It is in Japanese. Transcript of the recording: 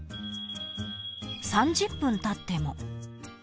［３０分たっても］